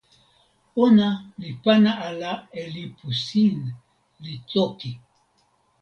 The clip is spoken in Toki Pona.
ona li pana ala e lipu sin, li toki.